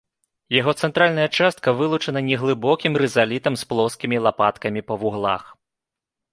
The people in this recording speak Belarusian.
Яго цэнтральная частка вылучана неглыбокім рызалітам з плоскімі лапаткамі па вуглах.